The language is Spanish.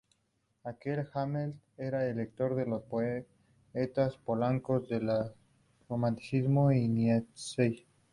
Aquel Hamlet era lector de los poetas polacos del romanticismo y de Nietzsche".